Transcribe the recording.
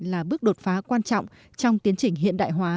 là bước đột phá quan trọng trong tiến trình hiện đại hóa